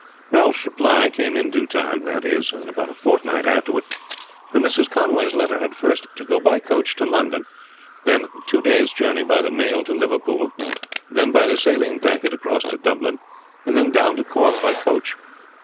Ralph's reply came in due time, that is in about a fortnight afterward; for Mrs. Conway's letter had first to go by coach to London, and then a two days' journey by the mail to Liverpool, then by the sailing packet across to Dublin, and then down to Cork by coach.